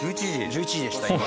１１時でした今。